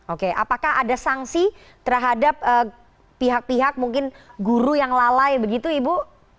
oke apakah ada sanksi terhadap pihak pihak mungkin guru yang lalai begitu ibu